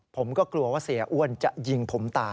ผมก็กลัวว่าเสียอ้วนจะยิงผมตาย